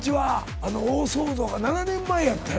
あの大騒動が７年前やったんや。